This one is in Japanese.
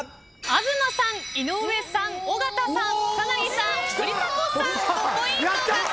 東さん井上さん尾形さん草薙さん森迫さん５ポイント獲得。